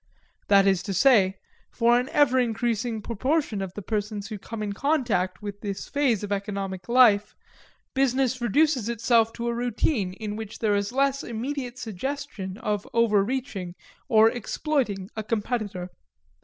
That is to say, for an ever increasing proportion of the persons who come in contact with this phase of economic life, business reduces itself to a routine in which there is less immediate suggestion of overreaching or exploiting a competitor.